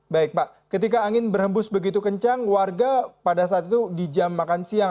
baik pak ketika angin berhembus begitu kencang warga pada saat itu di jam makan siang